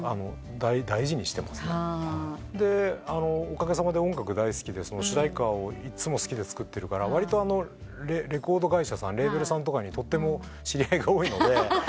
おかげさまで音楽大好きで主題歌をいつも好きで作ってるからわりとレコード会社さんレーベルさんとかにとっても知り合いが多いので。